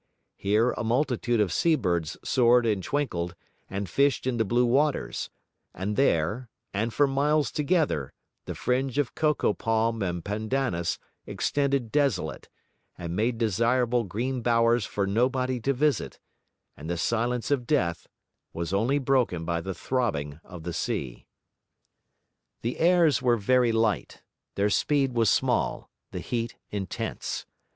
Here a multitude of sea birds soared and twinkled, and fished in the blue waters; and there, and for miles together, the fringe of cocoa palm and pandanus extended desolate, and made desirable green bowers for nobody to visit, and the silence of death was only broken by the throbbing of the sea. The airs were very light, their speed was small; the heat intense.